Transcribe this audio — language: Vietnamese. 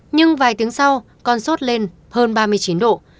nhưng vài tiếng sau con sốt lên hơn ba mươi chín độ